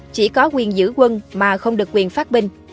chỉ có quyền giữ quân mà không được quyền phát binh